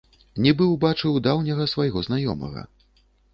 Нібы ўбачыў даўняга свайго знаёмага.